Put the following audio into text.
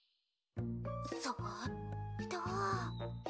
そっと。